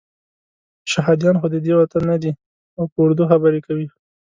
شهادیان خو ددې وطن نه دي او په اردو خبرې کوي.